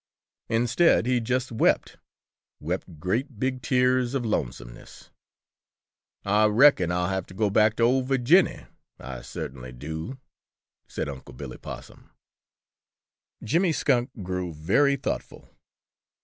Instead he just wept, wept great big tears of lonesomeness. "Ah reckon Ah'll have to go back to Ol' Virginny, Ah cert'nly do," said Unc' Billy Possum. Jimmy Skunk grew very thoughtful.